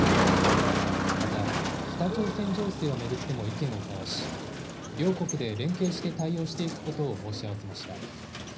また、北朝鮮情勢を巡っても意見を交わし、両国で連携して対応していくことを申し合わせました。